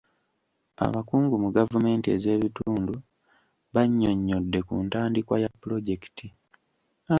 Abakungu mu gavumenti ez'ebitundu bannyonnyodde ku ntandikwa ya pulojekiti.